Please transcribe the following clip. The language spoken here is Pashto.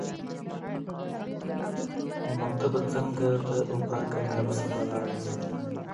نو ته به څنګه د اوپرا کاميابه سندرغاړې شې